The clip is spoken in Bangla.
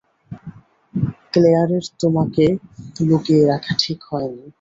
ক্লেয়ারের তোমাকে লুকিয়ে রাখা ঠিক হয়নি।